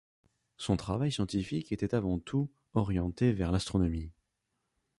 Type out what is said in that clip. Son travail scientifique était avant tout orienté vers l'astronomie.